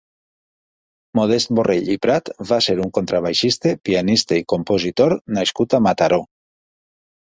Modest Borrell i Prat va ser un contrabaixista, pianista i compositor nascut a Mataró.